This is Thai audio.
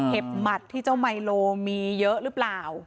เห็บมัดที่เจ้ามายโลมีเยอะรึเปล่า